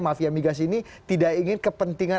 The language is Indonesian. mafia migas ini tidak ingin kepentingan